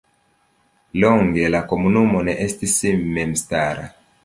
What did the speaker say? Longe la komunumo ne estis memstara.